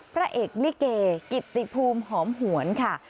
พระเอกลิเกย์กฤติพุมหอมหวนค่ะ